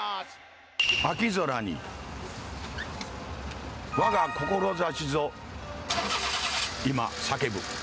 秋空に我が志ぞ今叫ぶ。